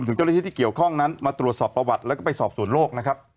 ถึงเจ้าละเอียดที่เกี่ยวข้องนั้นมาตรวจสอบประวัติแล้วก็ไปสอบศูนย์โรคนะครับ